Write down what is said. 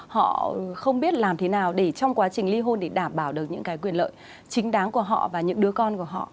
họ không biết làm thế nào để trong quá trình ly hôn để đảm bảo được những cái quyền lợi chính đáng của họ và những đứa con của họ